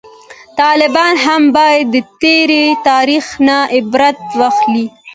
طالبان هم باید د تیر تاریخ نه عبرت واخلي